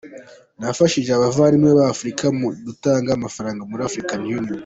Nafashije abavandimwe ba Afrika mu gutanga amafaranga muri African Union.